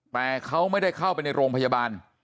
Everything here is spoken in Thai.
แต่เขาไม่ได้เข้าไปในโรงพยาบาล